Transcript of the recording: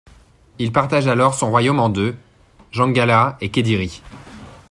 Il partage alors son royaume en deux, Janggala et Kediri.